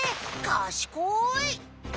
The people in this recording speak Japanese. かしこい！